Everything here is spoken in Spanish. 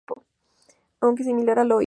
Aunque similar al Oi!